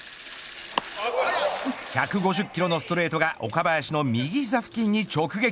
１５０キロのストレートが岡林の右膝付近に直撃。